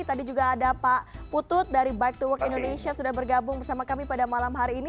tadi juga ada pak putut dari bike to work indonesia sudah bergabung bersama kami pada malam hari ini